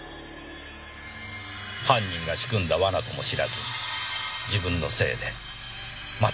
犯人が仕組んだ罠とも知らず自分のせいでまた人が死んだ。